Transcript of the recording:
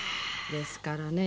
ですからね。